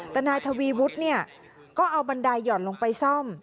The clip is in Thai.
แต่นายทวีวุฒิเนี่ยก็เอาบันไดหย่อนลงไปซ่อม